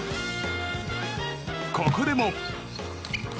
ここでも。